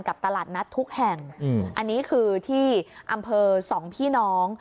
ตลาดนัดทุกแห่งอันนี้คือที่อำเภอสองพี่น้อง